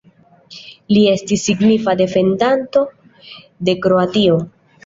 Li estis signifa defendanto de Kroatio.